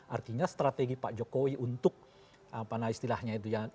artinya strategi pak jokowi untuk istilahnya itu ya